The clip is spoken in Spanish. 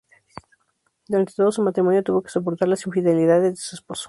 Durante todo su matrimonio tuvo que soportar las infidelidades de su esposo.